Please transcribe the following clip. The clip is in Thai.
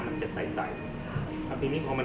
มันประกอบกันแต่ว่าอย่างนี้แห่งที่